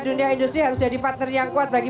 dunia industri harus jadi partner yang kuat bagi